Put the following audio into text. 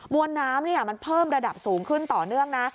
วนน้ำมันเพิ่มระดับสูงขึ้นต่อเนื่องนะ